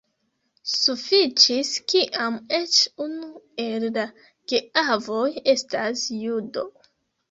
Sufiĉis kiam eĉ unu el la geavoj estas judo.